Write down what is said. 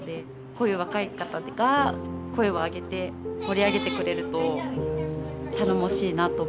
こういう若い方が声を上げて盛り上げてくれると頼もしいなと思うので。